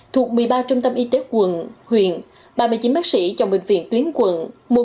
thuộc một mươi ba trung tâm y tế quận huyện ba mươi chín bác sĩ chọn bệnh viện tuyến quận